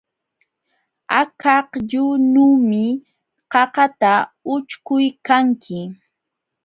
Akakllunuumi qaqata ućhkuykanki.